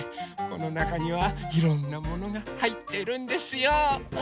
このなかにはいろんなものがはいってるんですよ。